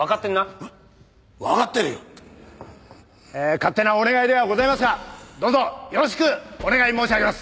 勝手なお願いではございますがどうぞよろしくお願い申し上げます。